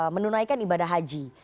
menunaikan ibadah haji